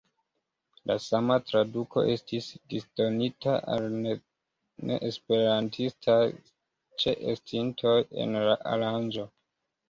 La sama traduko estis disdonita al neesperantistaj ĉeestintoj en la aranĝo.